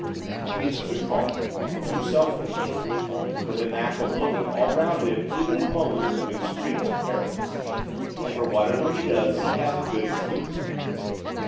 He is too calm; too self contained; with the knack of looking all round him even in moments of extremest peril, and for whatever he does he has a good excuse.